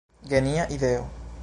Genia ideo!